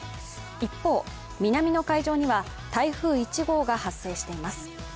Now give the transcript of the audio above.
一方、南の海上には台風１号が発生しています。